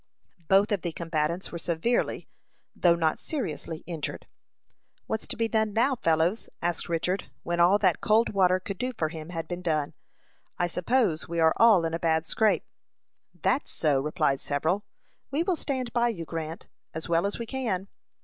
Both of the combatants were severely though not seriously injured. "What's to be done now, fellows?" asked Richard, when all that cold water could do for him had been done. "I suppose we are all in a bad scrape." "That's so," replied several. "We will stand by you, Grant, as well as we can."